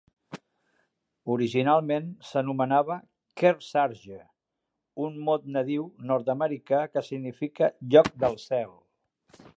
Originalment s'anomenava "Kearsarge", un mot nadiu nord-americà que significa "lloc del cel".